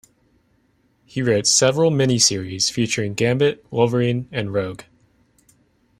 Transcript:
He wrote several mini-series featuring Gambit, Wolverine, and Rogue.